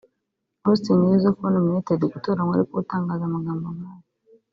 Austin iyo uza kuba nominated [gutoranywa] wari kuba utangaza amagambo nk’aya